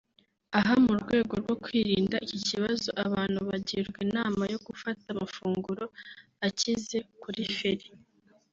Aha mu rwego rwo kwirinda iki kibazo abantu bagirwa inama yo gufata amafunguro akize kuri feri